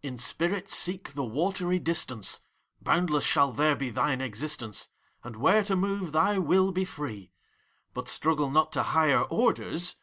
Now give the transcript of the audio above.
PROTBUS. In spirit seek the watery distance! Boundless shaU there be thine existence, And where to move, thy will be free. But struggle not to higher orders